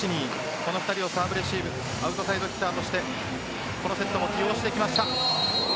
この２人をサーブレシーブアウトサイドヒッターとしてこのセットも起用してきました。